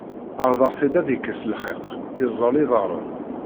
Σerḍeɣ-t-id ad yekkes lxiq, yeẓẓel iḍarren.